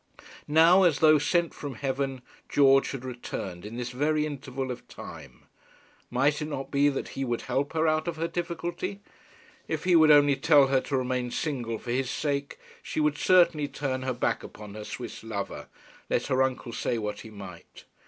Now, as though sent from heaven, George had returned, in this very interval of time. Might it not be that he would help her out of her difficulty? If he would only tell her to remain single for his sake, she would certainly turn her back upon her Swiss lover, let her uncle say what he might.